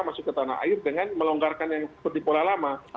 masuk ke tanah air dengan melonggarkan yang seperti pola lama